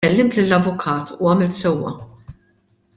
Kellimt lill-avukat, u għamilt sewwa.